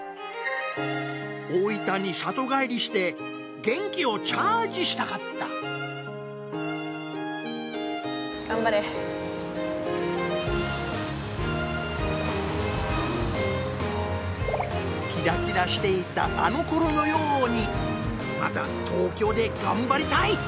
大分に里帰りして元気をチャージしたかったキラキラしていたあの頃のようにまた東京で頑張りたい！